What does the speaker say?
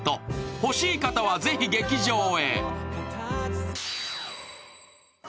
欲しい方はぜひ劇場へ。